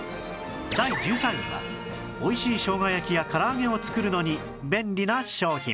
第１３位はおいしいしょうが焼きやから揚げを作るのに便利な商品